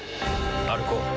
歩こう。